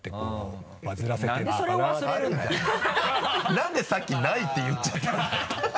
何でさっきないって言っちゃったんだよ